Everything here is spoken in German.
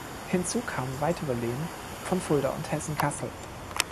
Hinzu kamen weitere Lehen von Fulda und Hessen-Kassel.